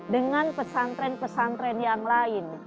dengan pesantren pesantren yang lain